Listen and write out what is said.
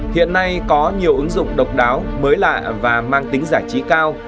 hiện nay có nhiều ứng dụng độc đáo mới lạ và mang tính giải trí cao